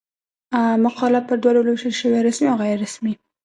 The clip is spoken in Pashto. مقاله پر دوه ډولونو وېشل سوې؛ رسمي او غیري رسمي.